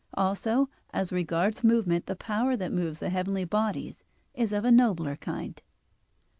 Also as regards movement the power that moves the heavenly bodies is of a nobler kind.